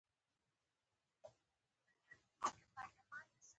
په مارجې کې په سل جریبه ځمکه د خرما پڼونه جوړېږي.